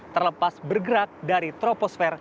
terlepas bergerak dari troposfer